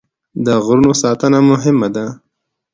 د غرونو ساتنه مهمه ده.